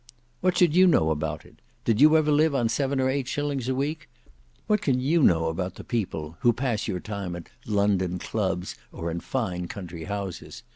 "What should you know about it? Did you ever live on seven or eight shillings a week? What can you know about the people who pass your time at London clubs or in fine country houses?